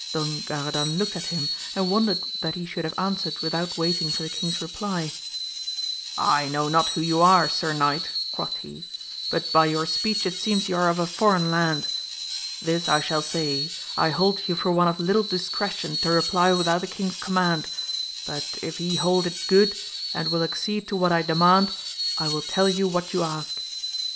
Don Garadan looked at him, wondering that he should have answered without waiting for the king's reply, I know not who you are sir knight, quoth he, but by your speech it seems you are of a foreign land ; this I shall say, I hold you for one of little discretion to reply without the king's command, but if he hold it good, and will accede to what I demand, I will tell you what you ask.